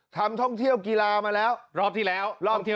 ทำท่องเที่ยวกีฬามาแล้วรอบที่แล้ว